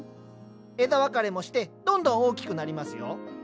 枝分かれもしてどんどん大きくなりますよ。